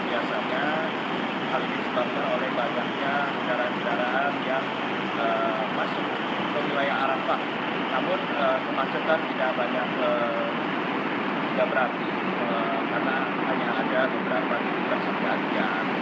biasanya adalah untuk pemeriksaan kendaraan jangan jangan ikut ikut masuk ke wilayah alam